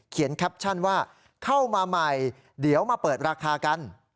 แคปชั่นว่าเข้ามาใหม่เดี๋ยวมาเปิดราคากัน